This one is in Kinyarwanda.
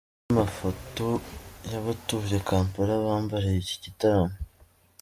Reba andi mafoto y'abatuye Kampala bambariye iki gitaramo.